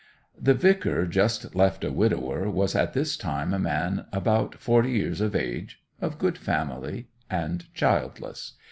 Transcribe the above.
The vicar just left a widower was at this time a man about forty years of age, of good family, and childless.